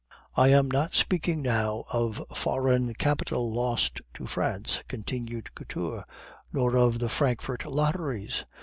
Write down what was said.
"I am not speaking now of foreign capital lost to France," continued Couture, "nor of the Frankfort lotteries.